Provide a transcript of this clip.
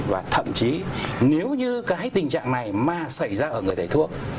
và thậm chí nếu như cái tình trạng này mà xảy ra ở người thầy thuốc